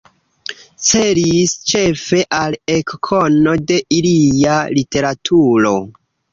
Celis ĉefe al ekkono de ilia literaturo.